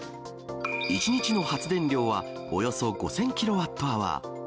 １日の発電量はおよそ５０００キロワットアワー。